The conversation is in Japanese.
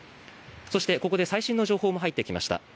そしてここで最新の情報も入ってきました。